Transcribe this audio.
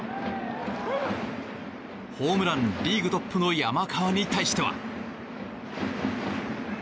ホームランリーグトップの山川に対しては。